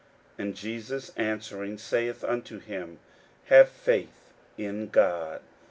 41:011:022 And Jesus answering saith unto them, Have faith in God.